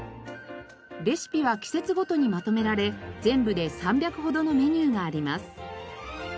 レシピは季節ごとにまとめられ全部で３００ほどのメニューがあります。